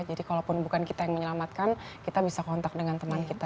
jadi kalau pun bukan kita yang menyelamatkan kita bisa kontak dengan teman kita